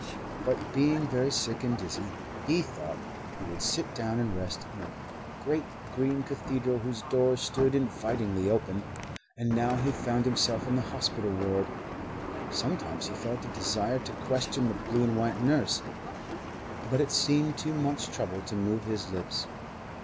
But being very sick and dizzy, he thought he would sit down and rest in a great green cathedral whose doors stood invitingly open ... and now he found himself in the hospital ward. Sometimes he felt a desire to question the blue and white nurse, but it seemed too much trouble to move his lips.